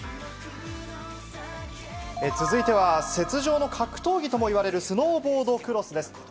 続いては、雪上の格闘技ともいわれるスノーボードクロスです。